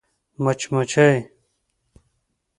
🐝 مچمچۍ